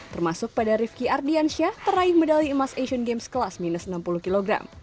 termasuk pada rifki ardiansyah teraih medali emas asian games kelas minus enam puluh kg